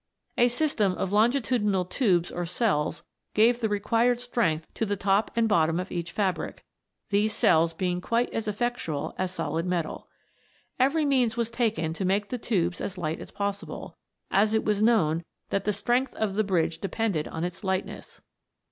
A system of longitudinal tubes or cells gave the required strength to the top and bottom of each fabric, these cells being quite as effectual as solid metal. Every means was taken to make the tubes 332 THE WONDERFUL LAMP. as light as possible, as it was known that the strength of the bridge depended on its lightness.